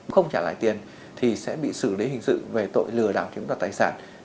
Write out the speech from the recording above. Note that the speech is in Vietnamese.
không trả lại tiền thì sẽ bị xử lý hình sự về tội lừa đảo chiếm đoạt tài sản